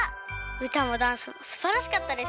うたもダンスもすばらしかったです。